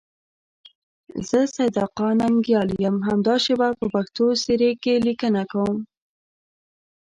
زه سیدآقا ننگیال یم، همدا شیبه په پښتو سیرې کې لیکنه کوم.